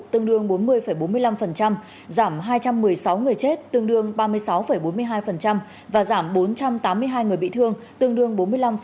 tương đương bốn mươi bốn mươi năm giảm hai trăm một mươi sáu người chết tương đương ba mươi sáu bốn mươi hai và giảm bốn trăm tám mươi hai người bị thương tương đương bốn mươi năm